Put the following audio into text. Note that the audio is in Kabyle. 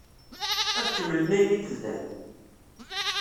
Ad kemmlen ayen i d-bdan?